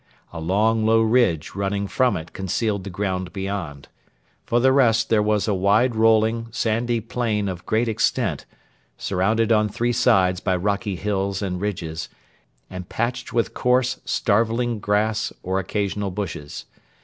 A long, low ridge running from it concealed the ground beyond. For the rest there was a wide rolling, sandy plain of great extent, surrounded on three sides by rocky hills and ridges, and patched with coarse, starveling grass or occasional bushes.